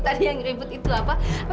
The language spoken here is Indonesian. tadi yang ribut itu apa